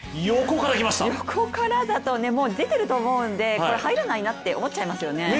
横からだと、出てると思うんで、入らないなと思っちゃいますよね。